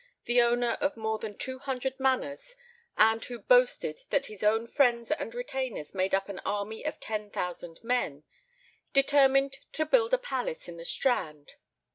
the owner of more than two hundred manors, and who boasted that his own friends and retainers made up an army of ten thousand men, determined to build a palace in the Strand.